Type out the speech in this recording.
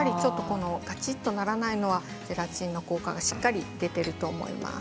がちっとならないのはゼラチンの効果が出ていると思います。